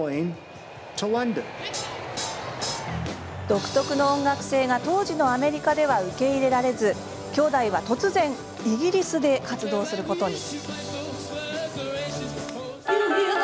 独特の音楽性が当時のアメリカでは受け入れられず、兄弟は突然イギリスで活動することに。